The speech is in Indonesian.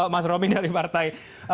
mas romy dari partai